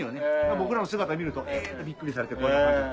僕らの姿見ると「え」ってビックリされてこんな感じ。